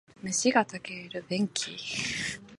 飯が炊ける便器